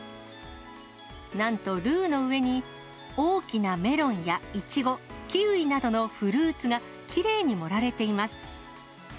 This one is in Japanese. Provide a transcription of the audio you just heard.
なんとルウの上に大きなメロンやいちご、キウイなどのフルーツがきれいに盛られています。